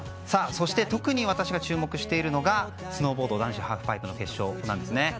そして特に私が注目しているのがスノーボード男子ハーフパイプの決勝なんですね。